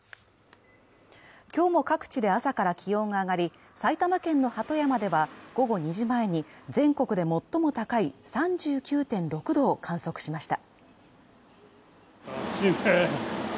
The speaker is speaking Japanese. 今日も各地で朝から気温が上がり埼玉県の鳩山では、午後２時前に全国で最も高い３９．６度を観測しました。